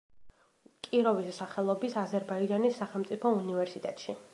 კიროვის სახელობის აზერბაიჯანის სახელმწიფო უნივერსიტეტში.